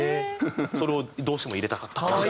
それをどうしても入れたかったっぽくて。